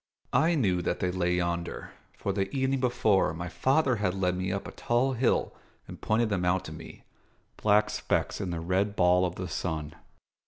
I knew that they lay yonder; for, the evening before, my father had led me up a tall hill and pointed them out to me black specks in the red ball of the sun.